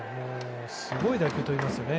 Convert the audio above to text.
すごい打球をといいますかね。